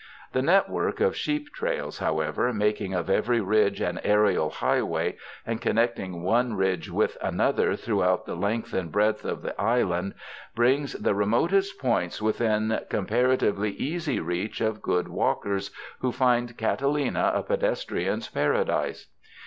The network of sheep trails, however, making of every ridge an aerial highway and connecting one ridge with another throughout the length and breadth of the island, brings the re motest points within comparatively easy reach of good walkers who find Catalina a pedestrian's para dise.